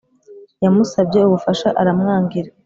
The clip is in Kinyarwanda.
yamusabye ubufasha aramwangira